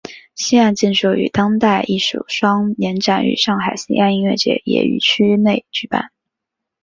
西岸建筑与当代艺术双年展与上海西岸音乐节也于区内举办。